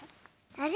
あれ？